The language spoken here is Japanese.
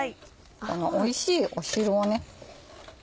このおいしい汁をね。